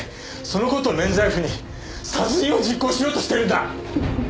その事を免罪符に殺人を実行しようとしてるんだ！